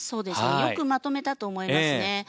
よくまとめたと思いますね。